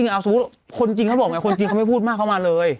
เอาสมมุติคนจริงเขาบอกไงคนจริงเขาไม่พูดมากเขามาเลย